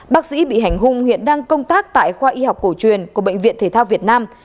bác sĩ bị hành hung hiện đang công tác tại khoa y học cổ truyền của bệnh viện thể thao việt nam